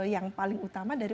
yang paling utama dari